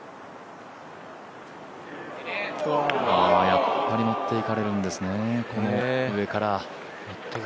やっぱり持って行かれるんですね、この上から。